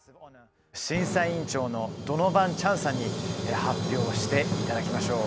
審査委員長のドノヴァン・チャンさんに発表していただきましょう。